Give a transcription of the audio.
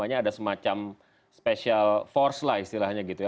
ada semacam special force lah istilahnya gitu ya